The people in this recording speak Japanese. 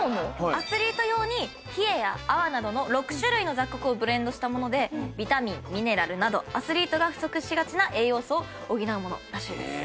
アスリート用にヒエやアワなどの６種類の雑穀をブレンドしたものでビタミンミネラルなどアスリートが不足しがちな栄養素を補うものらしいです。